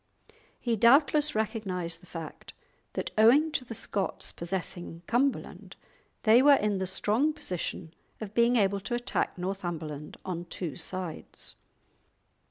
He doubtless recognised the fact that owing to the Scots possessing Cumberland they were in the strong position of being able to attack Northumberland on two sides.